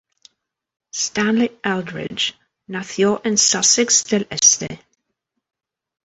Stanley Eldridge nació en Sussex del Este.